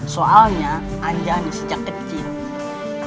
soalnya anjani sejak kecil